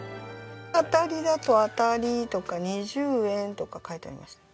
当たりだと「当たり」とか「２０円」とか書いてあります。